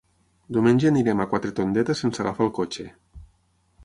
Diumenge anirem a Quatretondeta sense agafar el cotxe.